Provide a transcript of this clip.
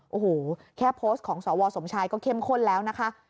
โอ้โหแค่โพสต์ของสวสมชายก็เข้มข้นแล้วนะคะ